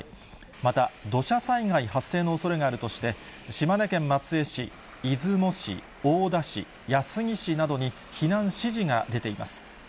また、土砂災害発生のおそれがあるとして、島根県松江市、出雲市、大田市、安来市などに、避難指示が出ています。